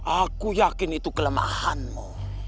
aku yakin itu kelemahanmu